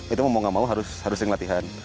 itu mau nggak mau harus sering latihan